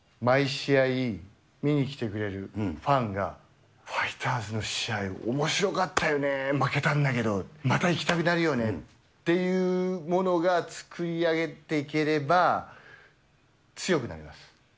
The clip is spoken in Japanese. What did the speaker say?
毎試合、見に来てくれるファンが、ファイターズの試合、おもしろかったよね、負けたんだけど、また行きたくなるよねというものが作り上げていければ、強くなれます。